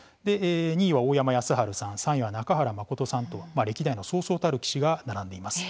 ２位は大山康晴さん３位は中原誠さんと歴代のそうそうたる棋士が並んでいます。